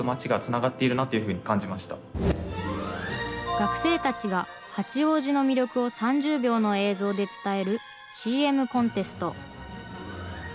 学生たちが八王子の魅力を３０秒の映像で伝えるＣＭコンテスト。